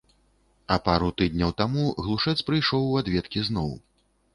А пару тыдняў таму глушэц прыйшоў у адведкі зноў.